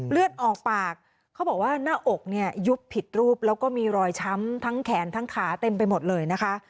เลือดออกปากเขาบอกว่าหน้าอกเนี่ยยุบผิดรูปแล้วก็มีรอยช้ำทั้งแขนทั้งขาเต็มไปหมดเลยนะคะ